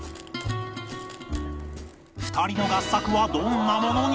２人の合作はどんなものに？